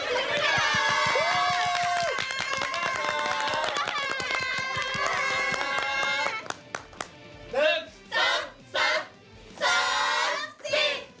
คึกคักคึกคัก๒๓คุกคัก